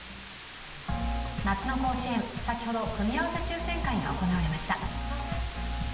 夏の甲子園、先ほど組み合わせ抽選会が行われました。